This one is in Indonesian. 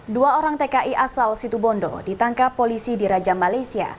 dua orang tki asal situbondo ditangkap polisi di raja malaysia